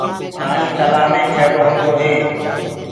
پآڻي تلآه مي کيڙو هوندو هي۔